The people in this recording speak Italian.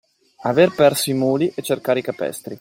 Aver perso i muli e cercare i capestri.